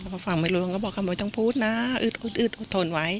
พอฟังไม่รู้เรื่องก็บอกเขาไม่ต้องพูดนะอึดทนไว้